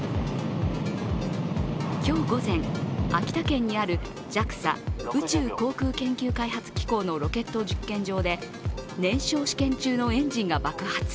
今日午前、秋田県にあるＪＡＸＡ＝宇宙航空研究開発機構のロケット実験場で燃焼試験中のエンジンが爆発。